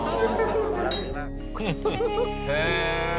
へえ。